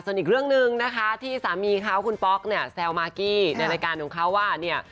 ส่วนอีกเรื่องหนึ่งนะคะที่สามีเขาคุณป๊อกเนี่ยแซวมากกี้ในรายการของเขาว่าเนี่ย